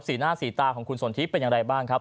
สีหน้าสีตาของคุณสนทิเป็นอย่างไรบ้างครับ